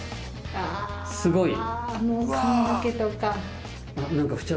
すごい。